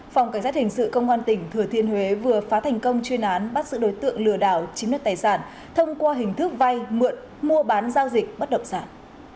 phòng cảnh sát hình sự công an tỉnh thừa thiên huế vừa phá thành công chuyên án bắt sự đối tượng lừa đảo chiếm đất tài sản thông qua hình thức vay mượn mua bán giao dịch bất động sản